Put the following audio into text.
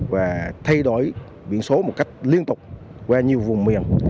và thay đổi biển số một cách liên tục qua nhiều vùng miền